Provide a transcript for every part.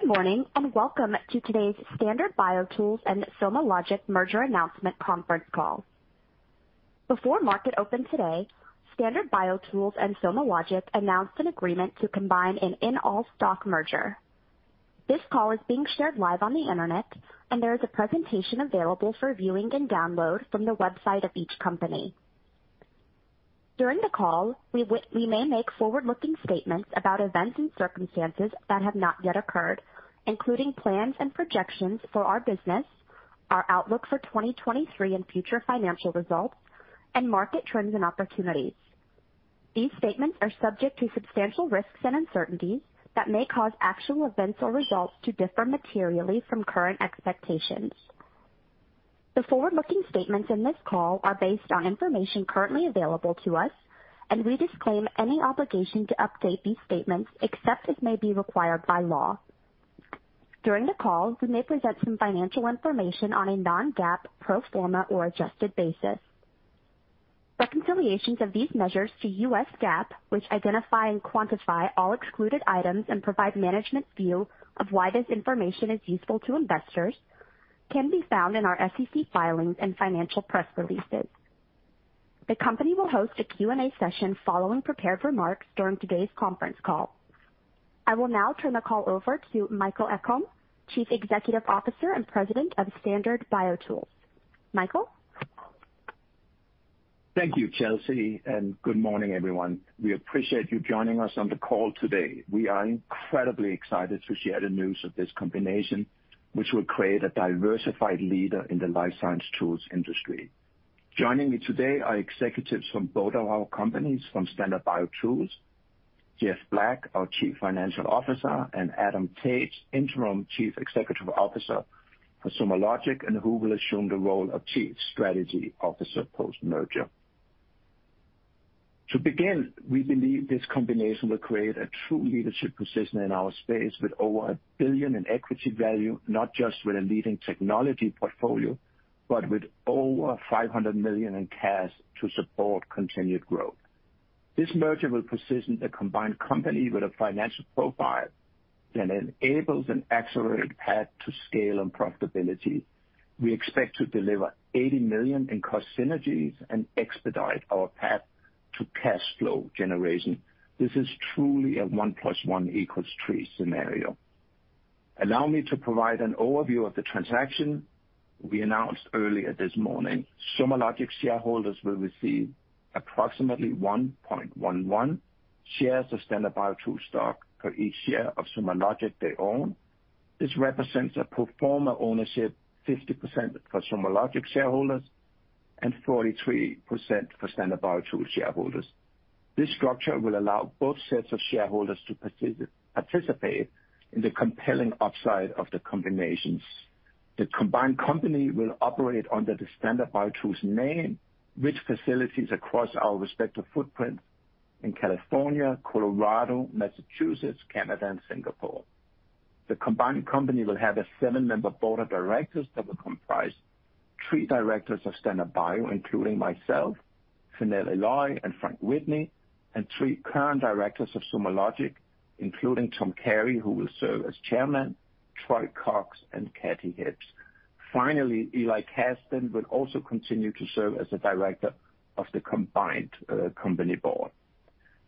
Good morning, and welcome to today's Standard BioTools and SomaLogic merger announcement conference call. Before market open today, Standard BioTools and SomaLogic announced an agreement to combine in an all-stock merger. This call is being shared live on the Internet, and there is a presentation available for viewing and download from the website of each company. During the call, we may make forward-looking statements about events and circumstances that have not yet occurred, including plans and projections for our business, our outlook for 2023 and future financial results, and market trends and opportunities. These statements are subject to substantial risks and uncertainties that may cause actual events or results to differ materially from current expectations. The forward-looking statements in this call are based on information currently available to us, and we disclaim any obligation to update these statements except as may be required by law. During the call, we may present some financial information on a non-GAAP, pro forma, or adjusted basis. Reconciliations of these measures to U.S. GAAP, which identify and quantify all excluded items and provide management's view of why this information is useful to investors, can be found in our SEC filings and financial press releases. The company will host a Q&A session following prepared remarks during today's conference call. I will now turn the call over to Michael Egholm, Chief Executive Officer and President of Standard BioTools. Michael? Thank you, Chelsea, and good morning, everyone. We appreciate you joining us on the call today. We are incredibly excited to share the news of this combination, which will create a diversified leader in the life science tools industry. Joining me today are executives from both of our companies. From Standard BioTools, Jeff Black, our Chief Financial Officer, and Adam Taich, Interim Chief Executive Officer for SomaLogic, and who will assume the role of Chief Strategy Officer post-merger. To begin, we believe this combination will create a true leadership position in our space, with over $1 billion in equity value, not just with a leading technology portfolio, but with over $500 million in cash to support continued growth. This merger will position the combined company with a financial profile that enables an accelerated path to scale and profitability. We expect to deliver $80 million in cost synergies and expedite our path to cash flow generation. This is truly a 1 + 1 = 3 scenario. Allow me to provide an overview of the transaction we announced earlier this morning. SomaLogic shareholders will receive approximately 1.111 shares of Standard BioTools stock for each share of SomaLogic they own. This represents a pro forma ownership, 50% for SomaLogic shareholders and 43% for Standard BioTools shareholders. This structure will allow both sets of shareholders to participate in the compelling upside of the combinations. The combined company will operate under the Standard BioTools name, with facilities across our respective footprints in California, Colorado, Massachusetts, Canada, and Singapore. The combined company will have a seven-member board of directors that will comprise three directors of Standard BioTools, including myself, Pernille Lind Olsen, and Frank Witney, and three current directors of SomaLogic, including Tom Carey, who will serve as chairman, Troy Cox, and Kathy Hibbs. Finally, Eli Casdin will also continue to serve as a director of the combined company board.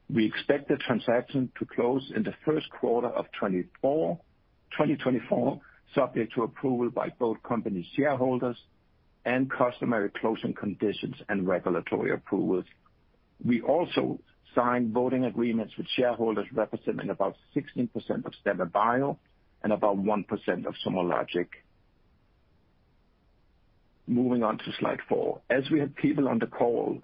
We expect the transaction to close in the first quarter of 2024, subject to approval by both company shareholders and customary closing conditions and regulatory approvals. We also signed voting agreements with shareholders representing about 16% of Standard BioTools and about 1% of SomaLogic. Moving on to slide four. As we have people on the call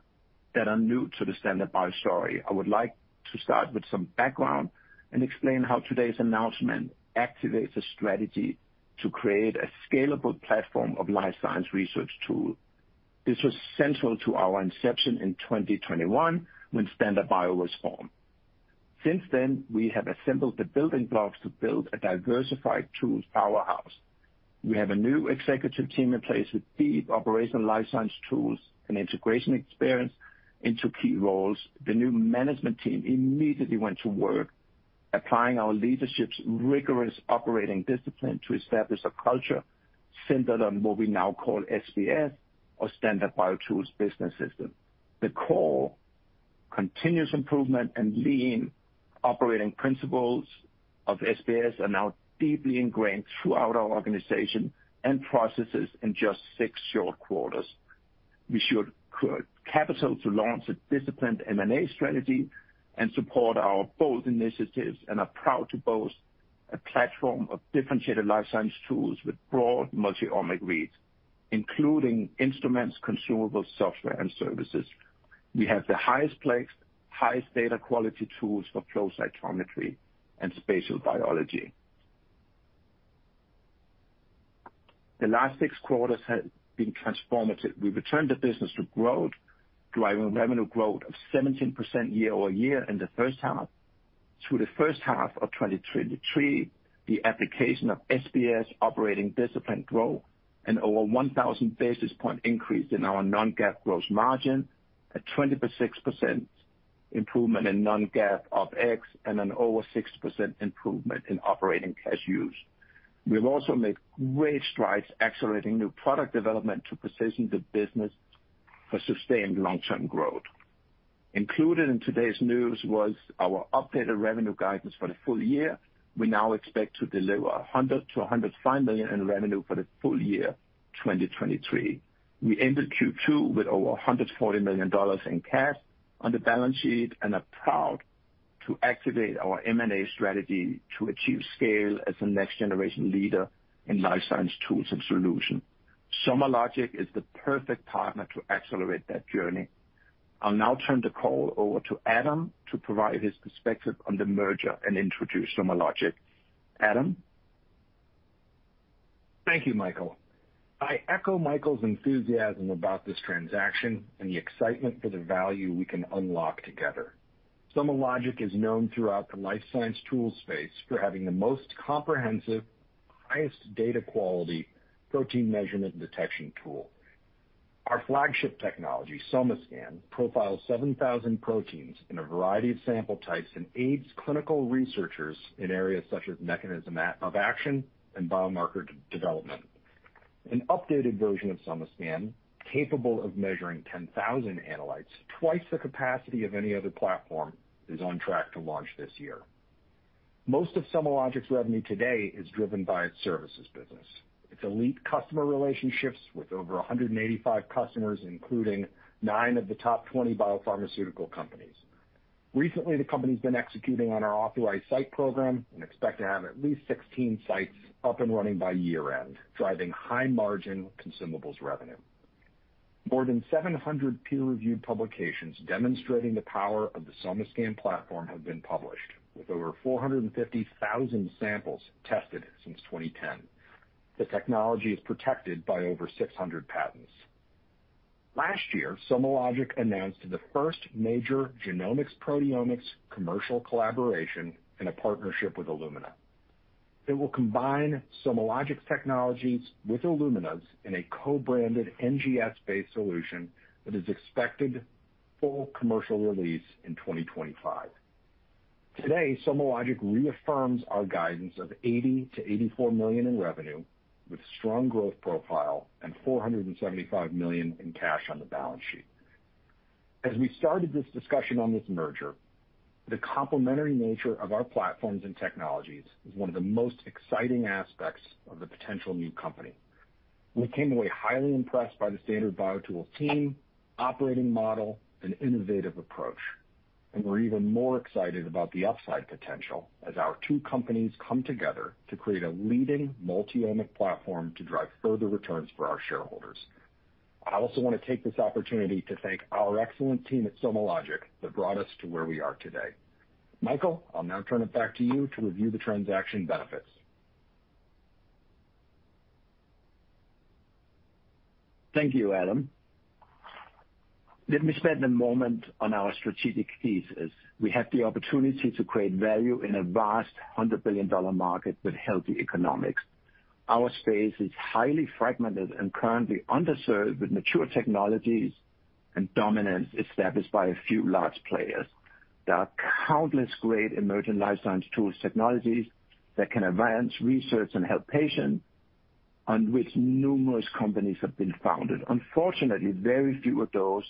that are new to the Standard BioTools story, I would like to start with some background and explain how today's announcement activates a strategy to create a scalable platform of life science research tools. This was central to our inception in 2021, when Standard BioTools was formed. Since then, we have assembled the building blocks to build a diversified tools powerhouse. We have a new executive team in place with deep operational life science tools and integration experience in two key roles. The new management team immediately went to work, applying our leadership's rigorous operating discipline to establish a culture centered on what we now call SBS, or Standard BioTools Business System. The core continuous improvement and lean operating principles of SBS are now deeply ingrained throughout our organization and processes in just six short quarters. We secured Casdin Capital to launch a disciplined M&A strategy and support our bold initiatives, and are proud to boast a platform of differentiated life science tools with broad multi-omic reach, including instruments, consumables, software, and services. We have the highest plex, highest data quality tools for flow cytometry and spatial biology. The last six quarters have been transformative. We returned the business to growth, driving revenue growth of 17% year-over-year in the first half. Through the first half of 2023, the application of SBS operating discipline growth and over 1,000 basis point increase in our non-GAAP gross margin at 26%.... improvement in non-GAAP OpEx and an over 6% improvement in operating cash use. We've also made great strides accelerating new product development to position the business for sustained long-term growth. Included in today's news was our updated revenue guidance for the full year. We now expect to deliver $100 million-$105 million in revenue for the full year 2023. We ended Q2 with over $140 million in cash on the balance sheet, and are proud to activate our M&A strategy to achieve scale as a next-generation leader in life science tools and solution. SomaLogic is the perfect partner to accelerate that journey. I'll now turn the call over to Adam to provide his perspective on the merger and introduce SomaLogic. Adam? Thank you, Michael. I echo Michael's enthusiasm about this transaction and the excitement for the value we can unlock together. SomaLogic is known throughout the life science tool space for having the most comprehensive, highest data quality protein measurement detection tool. Our flagship technology, SomaScan, profiles 7,000 proteins in a variety of sample types, and aids clinical researchers in areas such as mechanism of action and biomarker development. An updated version of SomaScan, capable of measuring 10,000 analytes, twice the capacity of any other platform, is on track to launch this year. Most of SomaLogic's revenue today is driven by its services business, its elite customer relationships with over 185 customers, including 9 of the top 20 biopharmaceutical companies. Recently, the company's been executing on our authorized site program and expect to have at least 16 sites up and running by year-end, driving high-margin consumables revenue. More than 700 peer-reviewed publications demonstrating the power of the SomaScan platform have been published, with over 450,000 samples tested since 2010. The technology is protected by over 600 patents. Last year, SomaLogic announced the first major genomics, proteomics commercial collaboration in a partnership with Illumina. It will combine SomaLogic's technologies with Illumina's in a co-branded NGS-based solution that is expected full commercial release in 2025. Today, SomaLogic reaffirms our guidance of $80 million-$84 million in revenue, with strong growth profile and $475 million in cash on the balance sheet. As we started this discussion on this merger, the complementary nature of our platforms and technologies is one of the most exciting aspects of the potential new company. We came away highly impressed by the Standard BioTools team, operating model, and innovative approach. We're even more excited about the upside potential as our two companies come together to create a leading multi-omic platform to drive further returns for our shareholders. I also want to take this opportunity to thank our excellent team at SomaLogic that brought us to where we are today. Michael, I'll now turn it back to you to review the transaction benefits. Thank you, Adam. Let me spend a moment on our strategic thesis. We have the opportunity to create value in a vast $100 billion market with healthy economics. Our space is highly fragmented and currently underserved, with mature technologies and dominance established by a few large players. There are countless great emerging life science tools, technologies that can advance research and help patients, on which numerous companies have been founded. Unfortunately, very few of those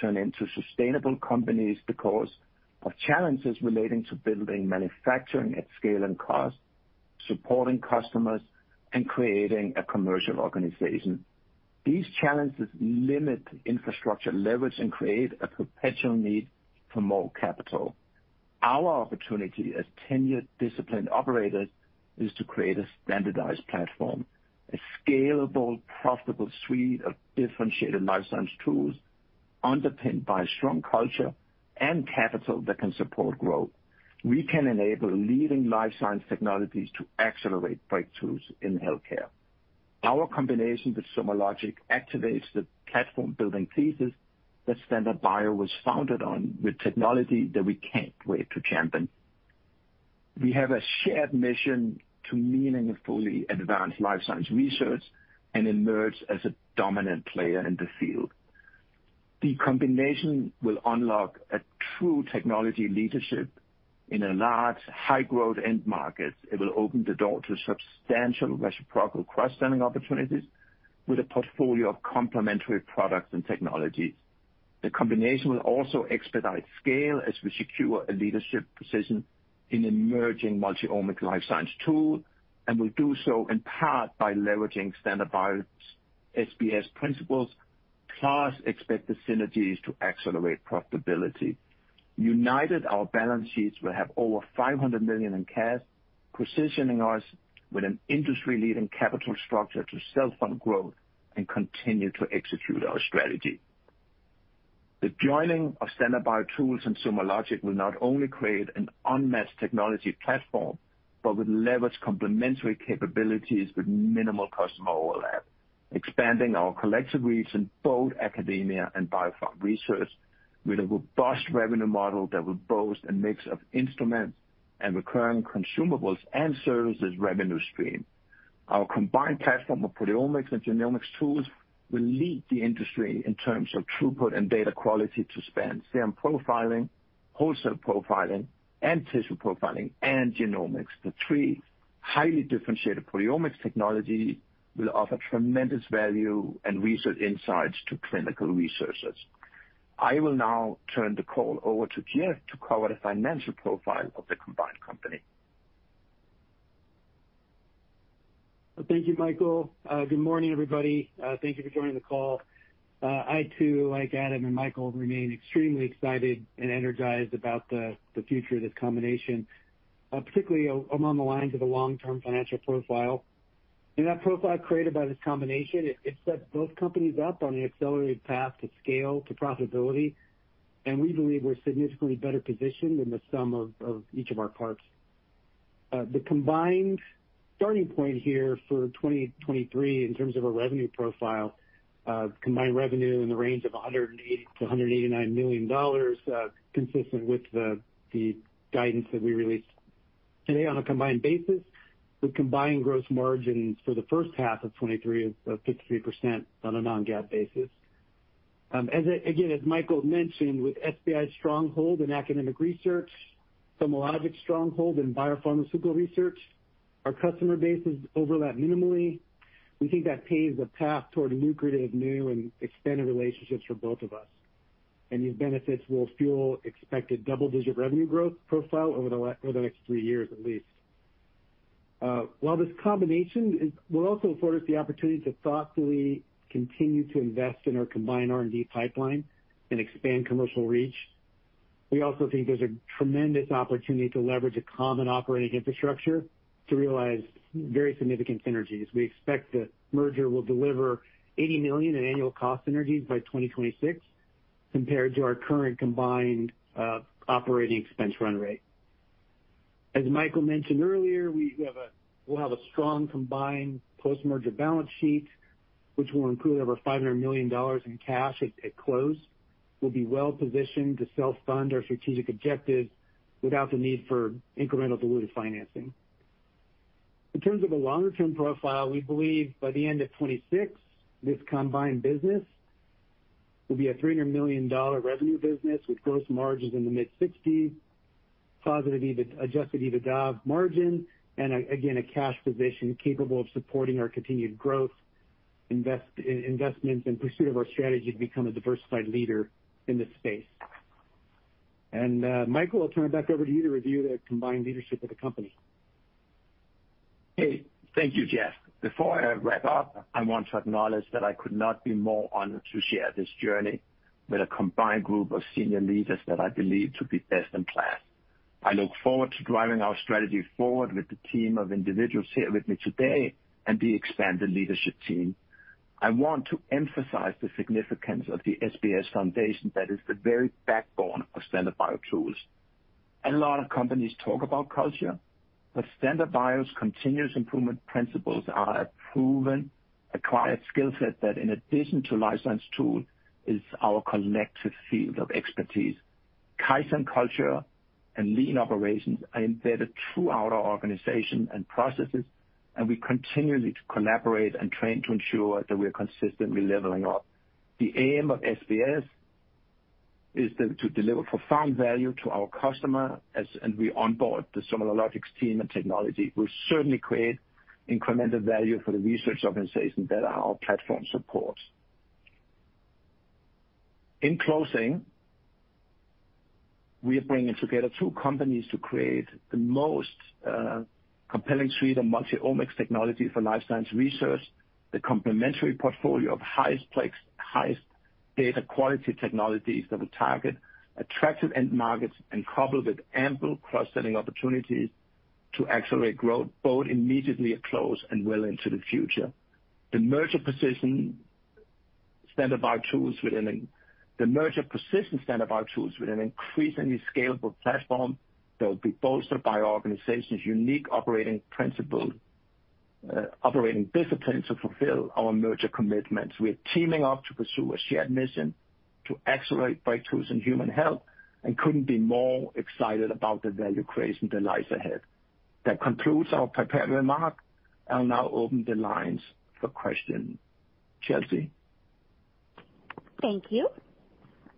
turn into sustainable companies because of challenges relating to building, manufacturing at scale and cost, supporting customers, and creating a commercial organization. These challenges limit infrastructure leverage and create a perpetual need for more capital. Our opportunity as tenured, disciplined operators is to create a standardized platform, a scalable, profitable suite of differentiated life science tools, underpinned by a strong culture and capital that can support growth. We can enable leading life science technologies to accelerate breakthroughs in healthcare. Our combination with SomaLogic activates the platform-building thesis that Standard Bio was founded on, with technology that we can't wait to champion. We have a shared mission to meaningfully advance life science research and emerge as a dominant player in the field. The combination will unlock a true technology leadership in a large, high-growth end market. It will open the door to substantial reciprocal cross-selling opportunities with a portfolio of complementary products and technologies. The combination will also expedite scale as we secure a leadership position in emerging multi-omic life science tools, and will do so in part by leveraging Standard Bio's SBS principles, plus expect the synergies to accelerate profitability. United, our balance sheets will have over $500 million in cash, positioning us with an industry-leading capital structure to self-fund growth and continue to execute our strategy. The joining of Standard BioTools and SomaLogic will not only create an unmatched technology platform, but will leverage complementary capabilities with minimal customer overlap, expanding our collective reach in both academia and biopharma research, with a robust revenue model that will boast a mix of instruments and recurring consumables and services revenue stream. Our combined platform of proteomics and genomics tools will lead the industry in terms of throughput and data quality to span serum profiling, whole cell profiling, and tissue profiling, and genomics. The three highly differentiated proteomics technologies will offer tremendous value and research insights to clinical researchers. I will now turn the call over to Jeff to cover the financial profile of the combined company. Thank you, Michael. Good morning, everybody. Thank you for joining the call. I too, like Adam and Michael, remain extremely excited and energized about the future of this combination, particularly among the lines of the long-term financial profile. That profile created by this combination, it sets both companies up on an accelerated path to scale, to profitability, and we believe we're significantly better positioned than the sum of each of our parts. The combined starting point here for 2023, in terms of a revenue profile, combined revenue in the range of $180 million-$189 million, consistent with the guidance that we released today. On a combined basis, the combined gross margins for the first half of 2023 is 53% on a non-GAAP basis. As I again, as Michael mentioned, with SBS stronghold in academic research, SomaLogic's stronghold in biopharmaceutical research, our customer bases overlap minimally. We think that paves the path toward lucrative, new, and expanded relationships for both of us, and these benefits will fuel expected double-digit revenue growth profile over the next three years at least. While this combination will also afford us the opportunity to thoughtfully continue to invest in our combined R&D pipeline and expand commercial reach, we also think there's a tremendous opportunity to leverage a common operating infrastructure to realize very significant synergies. We expect the merger will deliver $80 million in annual cost synergies by 2026, compared to our current combined operating expense run rate. As Michael mentioned earlier, we have, we'll have a strong combined post-merger balance sheet, which will include over $500 million in cash at close. We'll be well positioned to self-fund our strategic objectives without the need for incremental dilutive financing. In terms of a longer-term profile, we believe by the end of 2026, this combined business will be a $300 million revenue business with gross margins in the mid-60s%, positive EBITDA, adjusted EBITDA margin, and, again, a cash position capable of supporting our continued growth, investments, and pursuit of our strategy to become a diversified leader in this space. And, Michael, I'll turn it back over to you to review the combined leadership of the company. Hey, thank you, Jeff. Before I wrap up, I want to acknowledge that I could not be more honored to share this journey with a combined group of senior leaders that I believe to be best in class. I look forward to driving our strategy forward with the team of individuals here with me today and the expanded leadership team. I want to emphasize the significance of the SBS foundation that is the very backbone of Standard BioTools. A lot of companies talk about culture, but Standard BioTools's continuous improvement principles are a proven, acquired skill set that, in addition to life science tools, is our collective field of expertise. Kaizen culture and lean operations are embedded throughout our organization and processes, and we continually collaborate and train to ensure that we are consistently leveling up. The aim of SBS is to deliver profound value to our customer, as we onboard the SomaLogic team and technology, will certainly create incremental value for the research organizations that our platform supports. In closing, we are bringing together two companies to create the most compelling suite of multi-omics technology for life science research, the complementary portfolio of highest plex, highest data quality technologies that will target attractive end markets and coupled with ample cross-selling opportunities to accelerate growth, both immediately at close and well into the future. The merger positions Standard BioTools with an increasingly scalable platform that will be bolstered by our organization's unique operating principle, operating disciplines to fulfill our merger commitments. We are teaming up to pursue a shared mission to accelerate breakthroughs in human health and couldn't be more excited about the value creation that lies ahead. That concludes our prepared remarks. I'll now open the lines for questions. Chelsea? Thank you.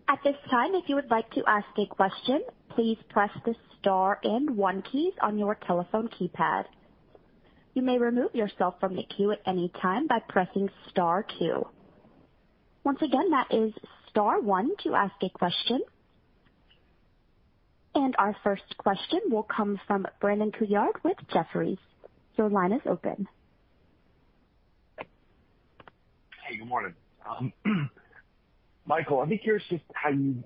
At this time, if you would like to ask a question, please press the star and one keys on your telephone keypad. You may remove yourself from the queue at any time by pressing star two. Once again, that is star one to ask a question. Our first question will come from Brandon Couillard with Jefferies. Your line is open. Hey, good morning. Michael, I'm curious just how you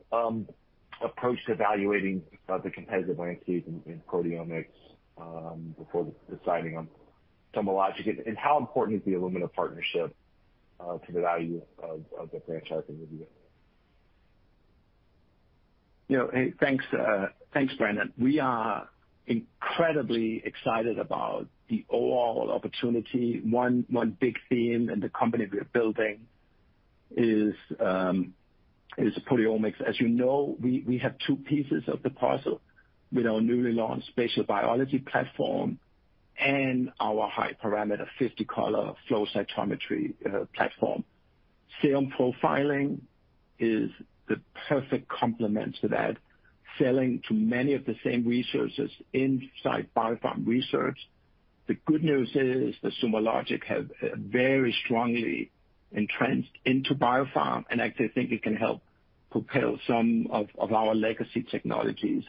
approached evaluating the competitive landscape in proteomics before deciding on SomaLogic, and how important is the Illumina partnership to the value of the franchise with you? You know, hey, thanks, thanks, Brandon. We are incredibly excited about the overall opportunity. One big theme in the company we are building is proteomics. As you know, we have two pieces of the puzzle with our newly launched spatial biology platform and our high-parameter 50-color flow cytometry platform. Serum profiling is the perfect complement to that, selling to many of the same resources inside biopharm research. The good news is that SomaLogic have very strongly entrenched into biopharm, and I actually think it can help propel some of our legacy technologies.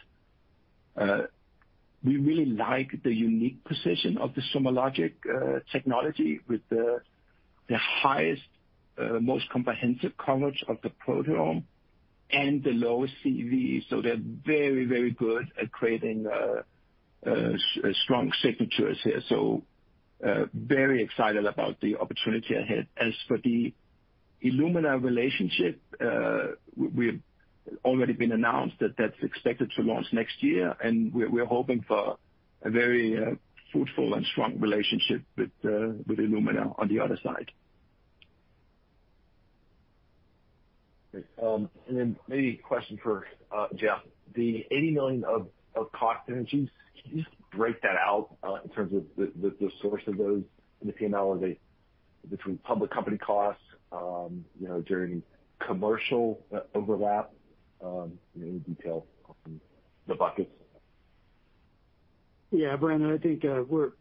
We really like the unique position of the SomaLogic technology with the highest most comprehensive coverage of the proteome and the lowest CV. So they're very, very good at creating strong signatures here. So, very excited about the opportunity ahead. As for the Illumina relationship, we've already been announced that that's expected to launch next year, and we're hoping for a very fruitful and strong relationship with with Illumina on the other side. Great. And then maybe a question for Jeff. The $80 million of cost synergies, can you just break that out, in terms of the source of those in the PNL, between public company costs, you know, during commercial overlap, any detail on the buckets? Yeah, Brandon, I think we're.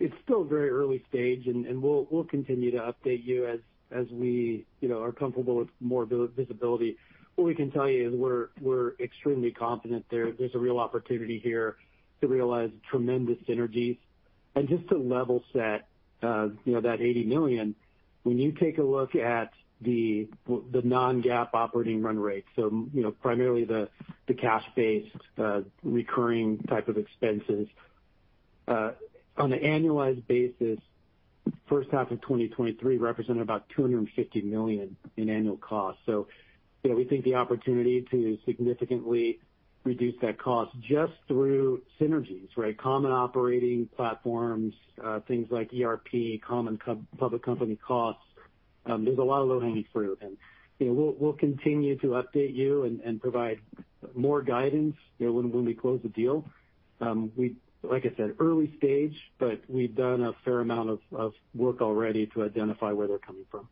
It's still very early stage, and we'll continue to update you as we, you know, are comfortable with more visibility. What we can tell you is we're extremely confident there. There's a real opportunity here to realize tremendous synergies. And just to level set, you know, that $80 million, when you take a look at the non-GAAP operating run rate, so, you know, primarily the cash-based recurring type of expenses on an annualized basis, first half of 2023 represented about $250 million in annual costs. So, you know, we think the opportunity to significantly reduce that cost just through synergies, right, common operating platforms, things like ERP, common public company costs, there's a lot of low-hanging fruit. You know, we'll continue to update you and provide more guidance, you know, when we close the deal. We, like I said, early stage, but we've done a fair amount of work already to identify where they're coming from.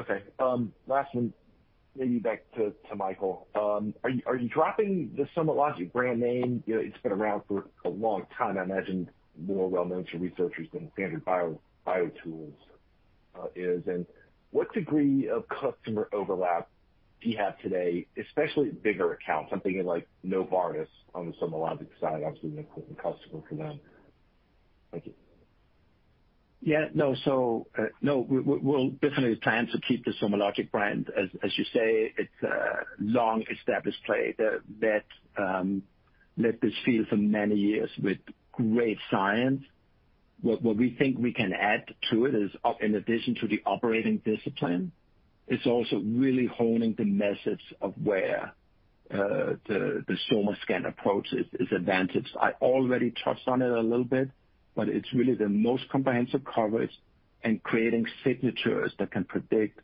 Okay. Last one, maybe back to, to Michael. Are you, are you dropping the SomaLogic brand name? You know, it's been around for a long time. I imagine more well-known to researchers than Standard BioTools is. And what degree of customer overlap do you have today, especially bigger accounts, something like Novartis on the SomaLogic side, obviously an important customer for them? Thank you. Yeah. No. So, no, we'll definitely plan to keep the SomaLogic brand. As you say, it's a long-established play that led this field for many years with great science. What we think we can add to it is, in addition to the operating discipline, it's also really honing the message of where the SomaScan approach is advantaged. I already touched on it a little bit, but it's really the most comprehensive coverage and creating signatures that can predict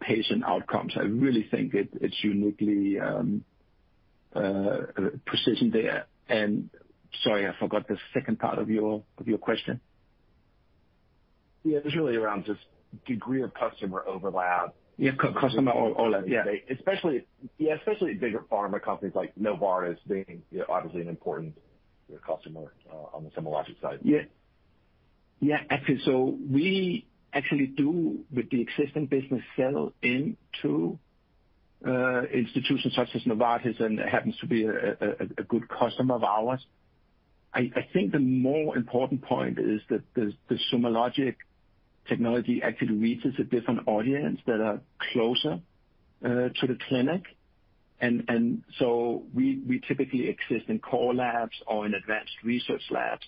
patient outcomes. I really think it is uniquely precision there. And sorry, I forgot the second part of your question. Yeah, it was really around just degree of customer overlap. Yeah, customer overlap. Yeah. Especially, yeah, especially bigger pharma companies like Novartis being, you know, obviously an important customer on the SomaLogic side. Yeah. Yeah, actually, so we actually do, with the existing business, sell into institutions such as Novartis, and happens to be a good customer of ours. I think the more important point is that the SomaLogic technology actually reaches a different audience that are closer to the clinic. And so we typically exist in core labs or in advanced research labs,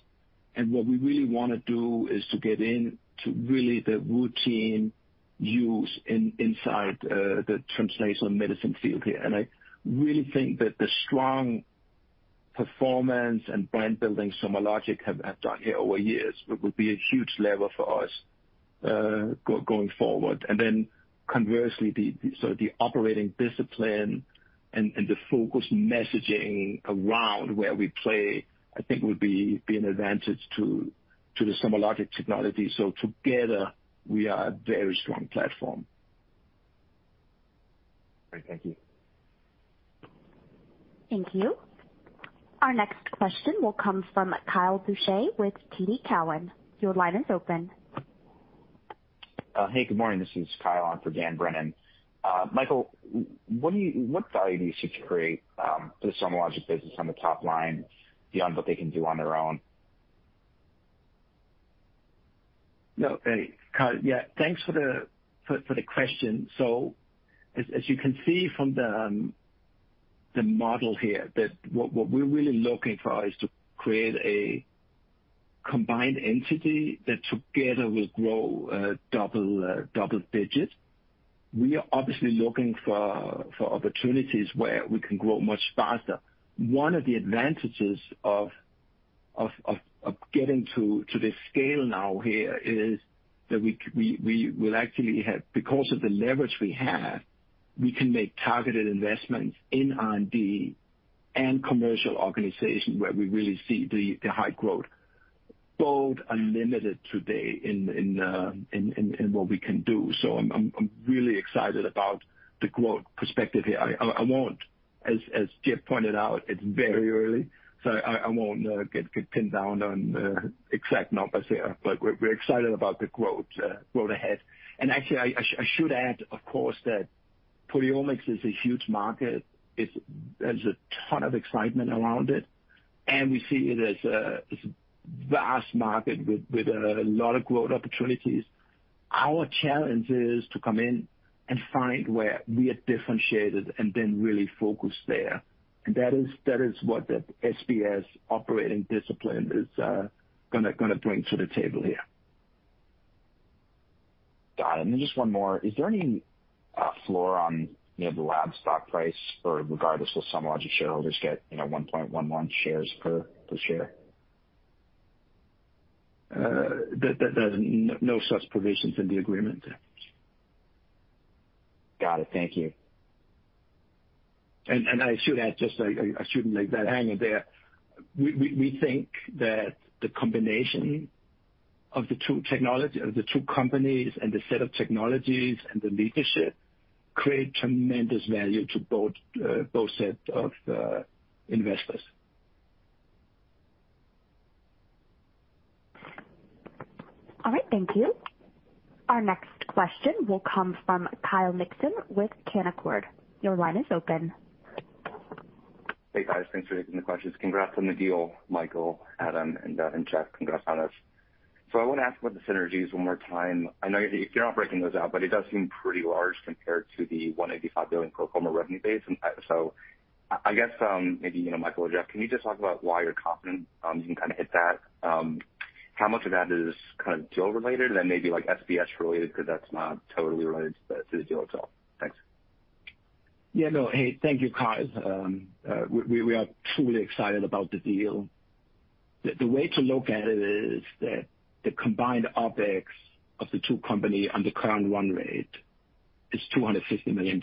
and what we really want to do is to get into really the routine use inside the translational medicine field here. And I really think that the strong performance and brand building SomaLogic have done here over years will be a huge lever for us going forward. And then, conversely, so the operating discipline and the focused messaging around where we play, I think, will be an advantage to the SomaLogic technology. So together, we are a very strong platform. Great. Thank you. Thank you. Our next question will come from Kyle Boucher with TD Cowen. Your line is open. Hey, good morning. This is Kyle on for Dan Brennan. Michael, what value do you seek to create for the SomaLogic business on the top line beyond what they can do on their own? No, hey, Kyle. Yeah, thanks for the question. So as you can see from the model here, that what we're really looking for is to create a combined entity that together will grow double digits. We are obviously looking for opportunities where we can grow much faster. One of the advantages of getting to this scale now here is that we will actually have, because of the leverage we have, we can make targeted investments in R&D and commercial organization where we really see the high growth, both unlimited today in what we can do. So I'm really excited about the growth perspective here. I won't, as Jeff pointed out, it's very early, so I won't get pinned down on exact numbers here, but we're excited about the growth ahead. And actually, I should add, of course, that proteomics is a huge market. It's. There's a ton of excitement around it, and we see it as a vast market with a lot of growth opportunities. Our challenge is to come in and find where we are differentiated and then really focus there. And that is what the SBS operating discipline is gonna bring to the table here. Got it. And then just one more. Is there any floor on, you know, the LAB stock price, or regardless of some larger shareholders get, you know, 1.111 shares per the share? There's no such provisions in the agreement. Got it. Thank you. And I should add, just, I shouldn't leave that hanging there. We think that the combination of the two technology, of the two companies and the set of technologies and the leadership create tremendous value to both both sets of investors. All right, thank you. Our next question will come from Kyle Mikson with Canaccord. Your line is open. Hey, guys. Thanks for taking the questions. Congrats on the deal, Michael, Adam, and Jeff. Congratulations. So I want to ask about the synergies one more time. I know you're not breaking those out, but it does seem pretty large compared to the 185 billion pro forma revenue base. And so I guess, maybe, you know, Michael or Jeff, can you just talk about why you're confident you can kind of hit that? How much of that is kind of deal related and maybe like SBS related, because that's not totally related to the, to the deal at all. Thanks. Yeah, no. Hey, thank you, Kyle. We are truly excited about the deal. The way to look at it is that the combined OpEx of the two companies on the current run rate is $250 million.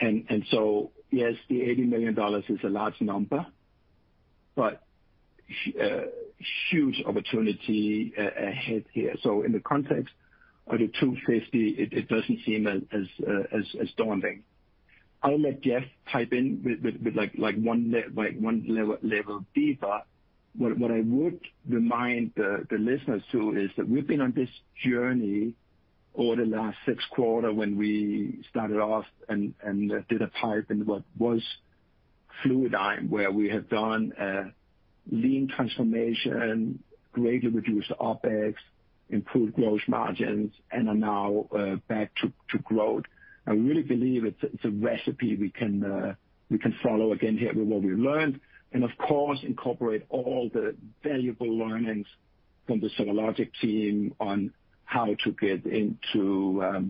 And so, yes, the $80 million is a large number, but huge opportunity ahead here. So in the context of the two fifty, it doesn't seem as daunting. I'll let Jeff pipe in with like one level deeper. But what I would remind the listeners to is that we've been on this journey over the last six quarters when we started off and did a PIPE in what was Fluidigm, where we had done a lean transformation, greatly reduced OpEx, improved gross margins, and are now back to growth. I really believe it's a recipe we can follow again here with what we've learned, and of course, incorporate all the valuable learnings from the SomaLogic team on how to get into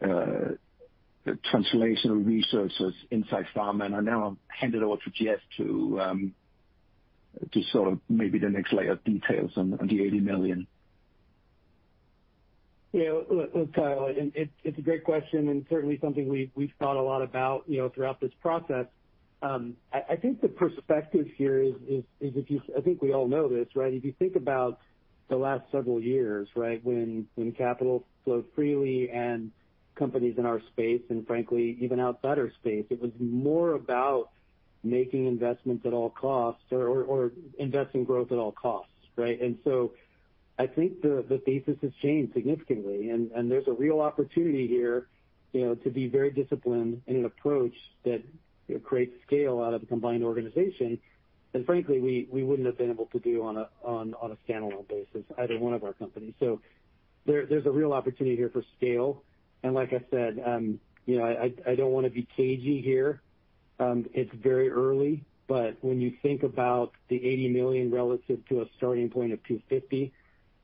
translational resources inside pharma. And I now hand it over to Jeff to sort of maybe the next layer of details on the $80 million. Yeah. Look, Kyle, it's a great question and certainly something we've thought a lot about, you know, throughout this process. I think the perspective here is if you... I think we all know this, right? If you think about the last several years, right, when capital flowed freely and companies in our space and frankly, even out better space, it was more about making investments at all costs or investing growth at all costs, right? And so I think the thesis has changed significantly, and there's a real opportunity here, you know, to be very disciplined in an approach that, you know, creates scale out of a combined organization. And frankly, we wouldn't have been able to do on a standalone basis, either one of our companies. So there, there's a real opportunity here for scale. And like I said, you know, I don't want to be cagey here. It's very early, but when you think about the $80 million relative to a starting point of $250 million,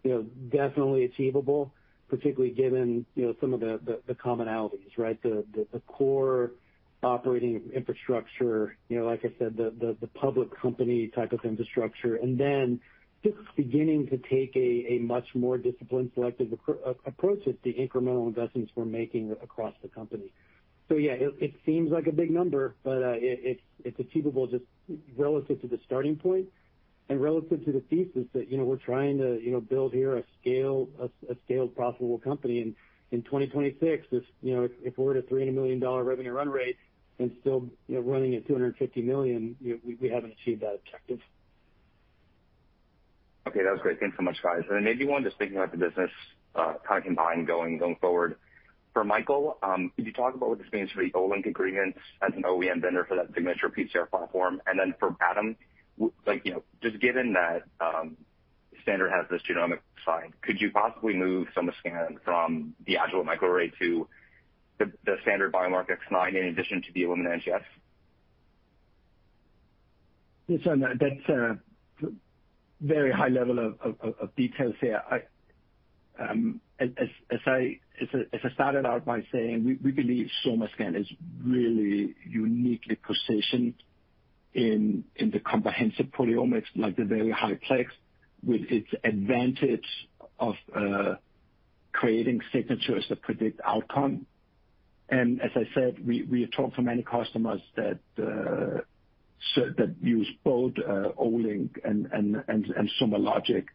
you know, definitely achievable, particularly given, you know, some of the commonalities, right? The core operating infrastructure, you know, like I said, the public company type of infrastructure, and then just beginning to take a much more disciplined, selective approach with the incremental investments we're making across the company. So yeah, it seems like a big number, but it, it's achievable just relative to the starting point and relative to the thesis that, you know, we're trying to, you know, build here a scale, a scaled, profitable company. In 2026, if, you know, if we're at a $300 million revenue run rate and still, you know, running at $250 million, you know, we haven't achieved that objective. Okay, that was great. Thanks so much, guys. And then maybe one, just thinking about the business, kind of combined going forward. For Michael, could you talk about what this means for the Olink agreements as an OEM vendor for that signature PCR platform? And then for Adam, like, you know, just given that, Standard has this genomic side, could you possibly move some of the SomaScan from the Agilent microarray to the Standard Biomark X9 in addition to the Illumina NGS?... Yes, and that's a very high level of details here. As I started out by saying, we believe SomaScan is really uniquely positioned in the comprehensive proteomics, like the very high plex, with its advantage of creating signatures that predict outcome. And as I said, we have talked to many customers that use both Olink and SomaLogic.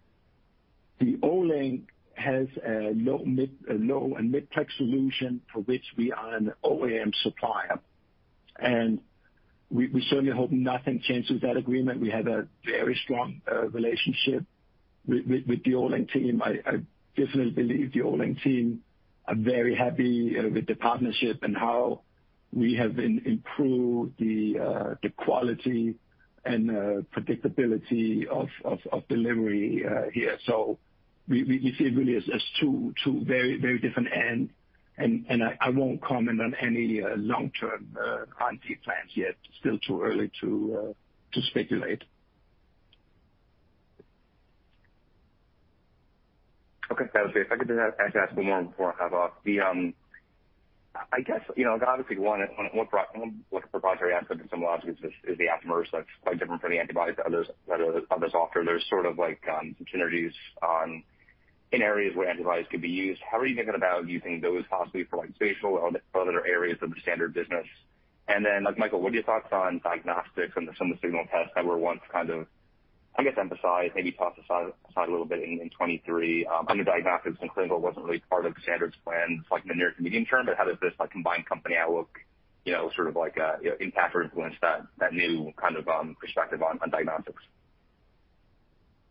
The Olink has a low and mid-plex solution for which we are an OEM supplier. And we certainly hope nothing changes that agreement. We have a very strong relationship with the Olink team. I definitely believe the Olink team are very happy with the partnership and how we have improved the quality and predictability of delivery here. So we see it really as two very different ends. I won't comment on any long-term R&D plans yet. Still too early to speculate. Okay, that was it. If I could just ask one more before I hop off. The, I guess, you know, obviously, one proprietary aspect of SomaLogic is the aptamers that's quite different from the antibodies that others offer. There's sort of like synergies on, in areas where antibodies could be used. How are you thinking about using those possibly for, like, spatial or other areas of the Standard business? And then, like, Michael, what are your thoughts on diagnostics and some of the signal tests that were once kind of, I guess, emphasized, maybe tossed aside a little bit in 2023, under diagnostics and clinical wasn't really part of Standard's plans, like in the near to medium term. How does this, like, combined company outlook, you know, sort of like, you know, impact or influence that, that new kind of perspective on, on diagnostics?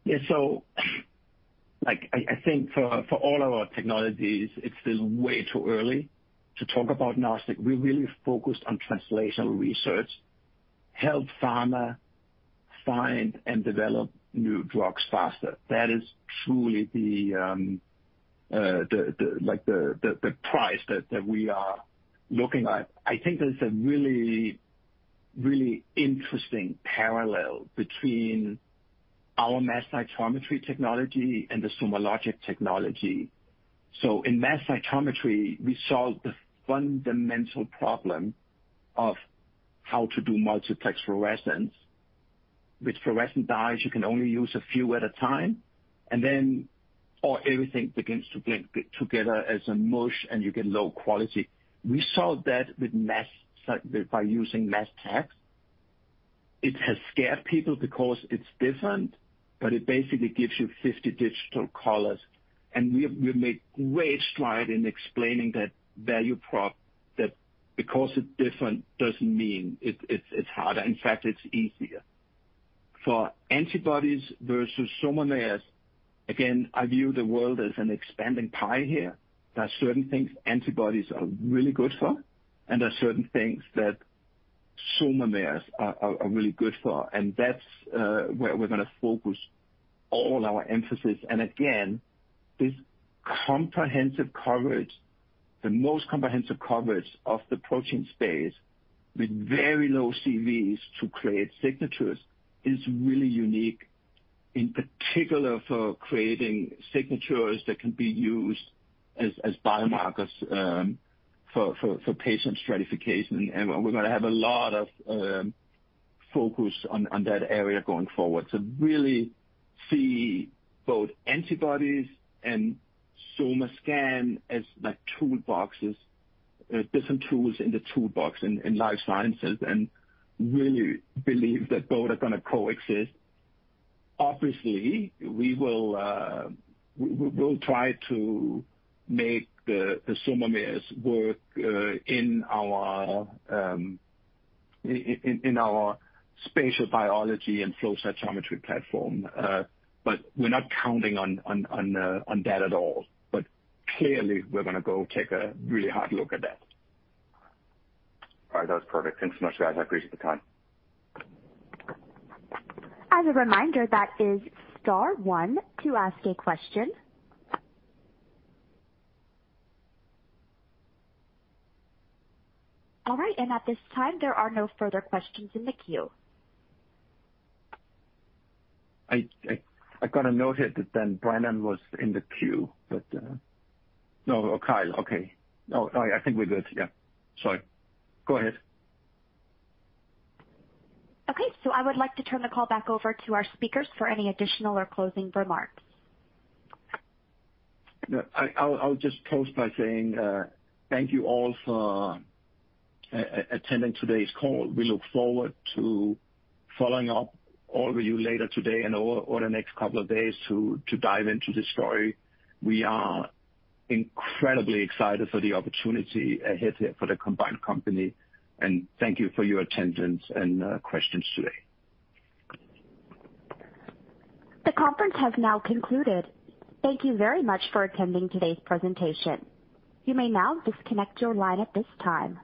Yeah. So, like, I think for all of our technologies, it's still way too early to talk about agnostic. We're really focused on translational research, help pharma find and develop new drugs faster. That is truly the prize that we are looking at. I think there's a really, really interesting parallel between our mass cytometry technology and the SomaLogic technology. So in mass cytometry, we solved the fundamental problem of how to do multiplex fluorescence. With fluorescent dyes, you can only use a few at a time, and then, or everything begins to blend together as a mush, and you get low quality. We solved that with mass by using mass tags. It has scared people because it's different, but it basically gives you 50 digital colors. We've made great stride in explaining that value prop, that because it's different doesn't mean it's harder. In fact, it's easier. For antibodies versus SOMAmers, again, I view the world as an expanding pie here. There are certain things antibodies are really good for, and there are certain things that SOMAmers are really good for, and that's where we're gonna focus all our emphasis. Again, this comprehensive coverage, the most comprehensive coverage of the protein space with very low CVs to create signatures, is really unique, in particular, for creating signatures that can be used as biomarkers for patient stratification. We're gonna have a lot of focus on that area going forward. So really see both antibodies and SomaScan as like toolboxes, different tools in the toolbox in life sciences, and really believe that both are gonna coexist. Obviously, we will, we'll try to make the SOMAmer work in our spatial biology and flow cytometry platform. But we're not counting on that at all. But clearly, we're gonna go take a really hard look at that. All right. That was perfect. Thanks so much, guys. I appreciate the time. As a reminder, that is star one to ask a question. All right, and at this time, there are no further questions in the queue. I got a note here that Dan Brandon was in the queue, but no, Kyle. Okay. No, I think we're good. Yeah, sorry. Go ahead. Okay, so I would like to turn the call back over to our speakers for any additional or closing remarks. No, I'll just close by saying, thank you all for attending today's call. We look forward to following up all with you later today and over the next couple of days to dive into this story. We are incredibly excited for the opportunity ahead here for the combined company, and thank you for your attendance and questions today. The conference has now concluded. Thank you very much for attending today's presentation. You may now disconnect your line at this time.